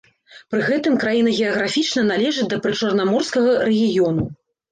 Пры гэтым краіна геаграфічна належыць да прычарнаморскага рэгіёну.